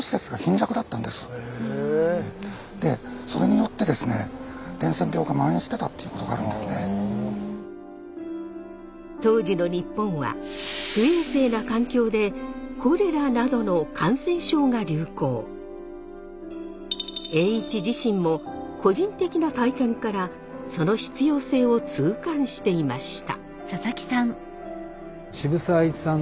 当時ですね当時の日本は栄一自身も個人的な体験からその必要性を痛感していました。